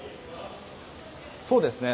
そうですね。